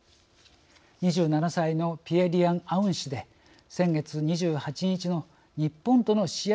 ２７歳のピエ・リアン・アウン氏で先月２８日の日本との試合